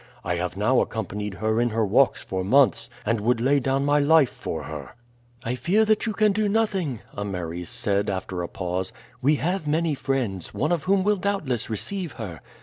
I have now accompanied her in her walks for months, and would lay down my life for her." "I fear that you can do nothing," Ameres said after a pause. "We have many friends, one of whom will doubtless receive her.